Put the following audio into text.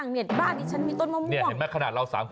ไม่มันมีเขียวเหลือง